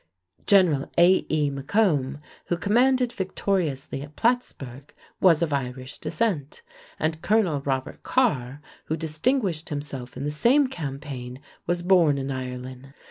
General A.E. Maccomb, who commanded victoriously at Plattsburg, was of Irish descent, and Colonel Robert Carr, who distinguished himself in the same campaign, was born in Ireland.